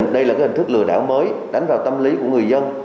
đây là hình thức lừa đảo mới đánh vào tâm lý của người dân